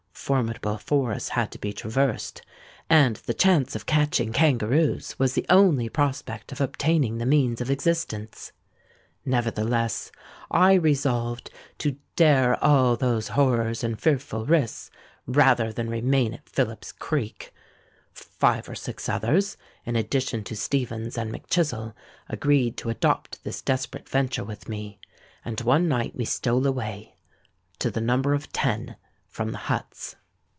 Formidable forests had to be traversed; and the chance of catching kangaroos was the only prospect of obtaining the means of existence. Nevertheless, I resolved to dare all those horrors and fearful risks, rather than remain at Philip's Creek. Five or six others, in addition to Stephens and Mac Chizzle, agreed to adopt this desperate venture with me; and one night we stole away—to the number of ten—from the huts.